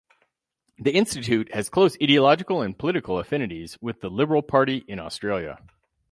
The Institute has close ideological and political affinities with the Liberal Party in Australia.